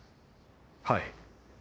はい。